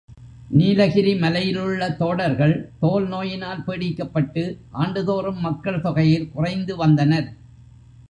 நீலகிரி மலையிலுள்ள தோடர்கள் தோல்நோயினால் பீடிக்கப்பட்டு ஆண்டுதோறும் மக்கள் தொகையில் குறைந்துவந்தனர்.